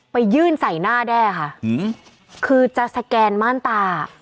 ไปยื่นใส่หน้าแด้ค่ะคือจะสแกนม่านตา